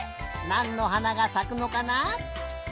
なんのはながさくのかな？